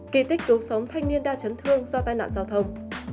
kỳ tích cứu sống thanh niên đa chấn thương do tai nạn giao thông